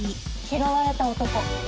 「拾われた男」。